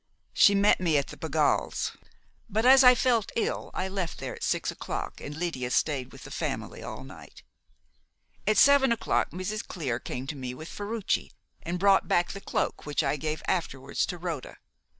She met me at the Pegalls', but as I felt ill, I left there at six o'clock, and Lydia stayed with the family all night. At seven o'clock Mrs. Clear came to me with Ferruci, and brought back the cloak which I gave afterwards to Rhoda.